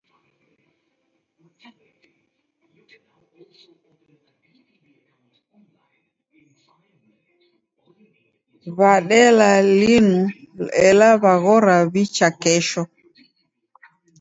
Wadela linu ela waghora uchaa kesho.